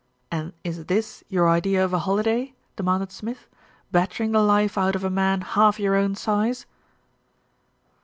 "And is this your idea of a holiday," demanded Smith, "battering the life out of a man half your own size?"